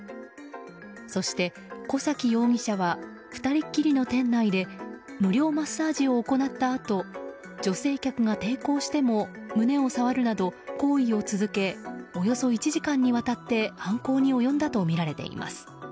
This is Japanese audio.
そして、小崎容疑者は２人きりの店内で無料マッサージを行ったあと女性客が抵抗しても胸を触るなど行為を続けおよそ１時間にわたって犯行に及んだとみられています。